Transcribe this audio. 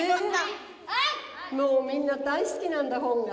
みんな大好きなんだ本が。